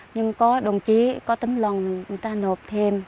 nhưng có đồng chí có tấm lòng người ta nộp thêm